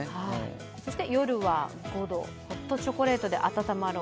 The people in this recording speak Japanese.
そして夜は５度、ホットチョコレートで温まろう。